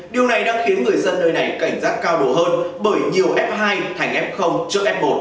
điều này đang khiến người dân nơi này cảnh giác cao đồ hơn bởi nhiều f hai thành f trước f một